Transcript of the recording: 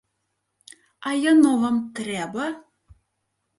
А яно вам трэба?!